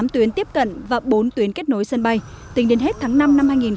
tám tuyến tiếp cận và bốn tuyến kết nối sân bay tính đến hết tháng năm năm hai nghìn hai mươi